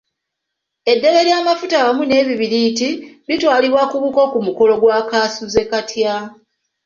Eddebe lya mafuta wamu n'ebibiriiti bitwalibwa ku buko ku mukola gwa kaasuzekatya.